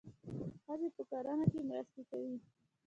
ښځې په کرنه کې مرسته کوي.